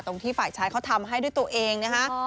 ที่ฝ่ายชายเขาทำให้ด้วยตัวเองนะฮะ